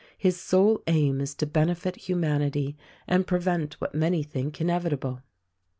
His sole aim is to benefit humanity and pre vent what many think inevitable."